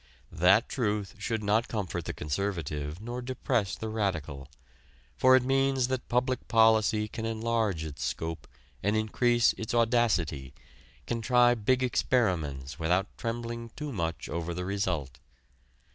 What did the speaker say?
That truth should not comfort the conservative nor depress the radical. For it means that public policy can enlarge its scope and increase its audacity, can try big experiments without trembling too much over the result.